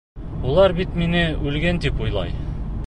Улар бит мине үлгән тип уйлай.